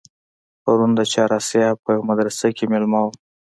پرون د چهار آسیاب په یوه مدرسه کې مېلمه وم.